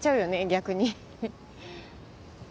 逆に。